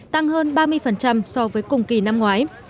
tăng hơn ba mươi so với cùng kỳ năm ngoái